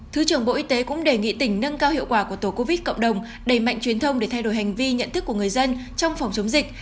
thứ trưởng bộ y tế cũng đề nghị tỉnh nâng cao hiệu quả của tổ covid cộng đồng đẩy mạnh truyền thông để thay đổi hành vi nhận thức của người dân trong phòng chống dịch